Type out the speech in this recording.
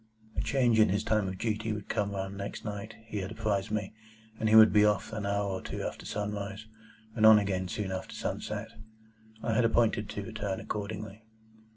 A change in his time of duty would come round next night, he had apprised me, and he would be off an hour or two after sunrise, and on again soon after sunset. I had appointed to return accordingly.